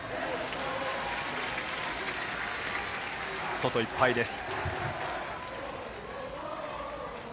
外いっぱいです。